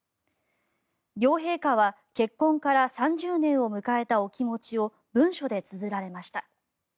両陛下は結婚から３０年を迎えたお気持ちを文書でつづられました。